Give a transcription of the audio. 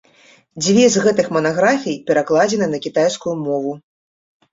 Дзве з гэтых манаграфій перакладзены на кітайскую мову.